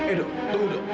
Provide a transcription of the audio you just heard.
eh do tunggu do